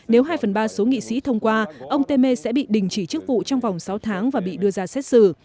nếu hai phần ba số nghị sĩ thông qua ông temer sẽ bị đình chỉ chức vụ trong vòng sáu tháng và bị đưa ra xét xử